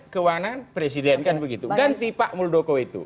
kemana presiden kan begitu ganti pak muldoko itu